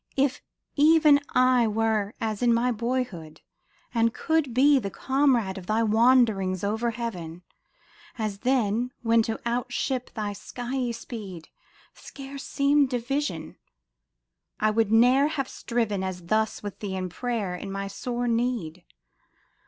If even I were as in my boyhood, and could be The comrade of thy wanderings over heaven, As then, when to outstrip thy skiey speed Scarce seemed a vision ; I would ne'er have striven As thus with thee in prayer in my sore need.